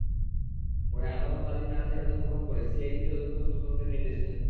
পরে আদালত বাদীর নারাজি আবেদন গ্রহণ করে সিআইডিকে অধিকতর তদন্তের নির্দেশ দেন।